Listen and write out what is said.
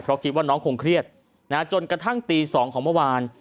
เพราะคิดว่าน้องคงเครียดจนกระทั่งตี๒ของเมื่อวาน